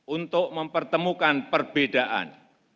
untuk mempertemukan perbedaan